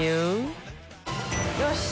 よし！